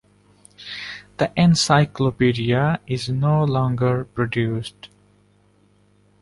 The encyclopaedia is no longer produced.